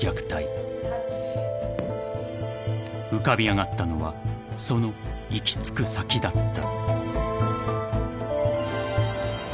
［浮かび上がったのはその行き着く先だった］